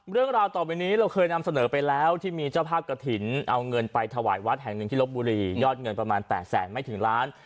เรื่องราวต่อไปนี้เราเคยนำเสนอไปแล้วที่มีเจ้าภาพกระถิ่นเอาเงินไปถวายวัดแห่งหนึ่งที่ลบบุรียอดเงินประมาณ๘แสนไม่ถึงล้าน